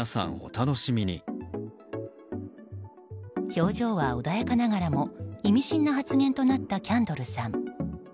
表情は穏やかながらも意味深な発言となったキャンドルさん。